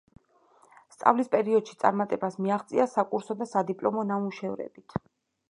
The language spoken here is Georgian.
სწავლის პერიოდში წარმატებას მიაღწია საკურსო და სადიპლომო ნამუშევრებით.